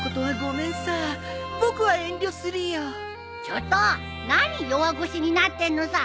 ちょっと何弱腰になってんのさ！